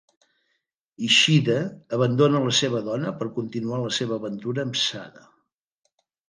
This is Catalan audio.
Ishida abandona la seva dona per continuar la seva aventura amb Sada.